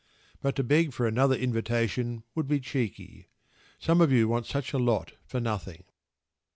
But to beg for another invitation would be cheeky. Some of you want such a lot for nothing.